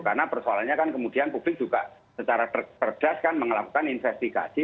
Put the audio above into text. karena persoalannya kan kemudian publik juga secara perdes kan mengelakukan investigasi